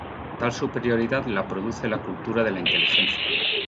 Tal superioridad la produce la cultura de la inteligencia.